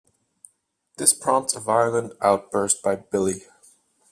This prompts a violent outburst by Billy.